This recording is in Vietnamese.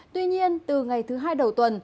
tuy nhiên từ ngày thứ hai đầu tuần